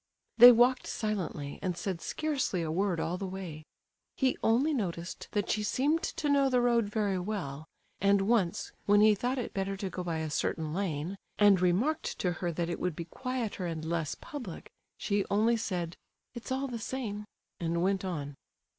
They walked silently, and said scarcely a word all the way. He only noticed that she seemed to know the road very well; and once, when he thought it better to go by a certain lane, and remarked to her that it would be quieter and less public, she only said, "it's all the same," and went on.